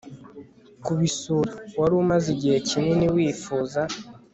kubisura wari umaze igihe kinini wifuza